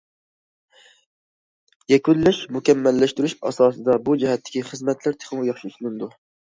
يەكۈنلەش، مۇكەممەللەشتۈرۈش ئاساسىدا بۇ جەھەتتىكى خىزمەتلەر تېخىمۇ ياخشى ئىشلىنىدۇ.